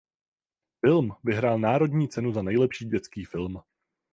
Film vyhrál národní cenu za nejlepší dětský film.